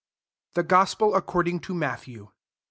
THE GOSPEL ACCORDING TO MATTHEW.